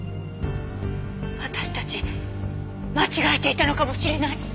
私たち間違えていたのかもしれない！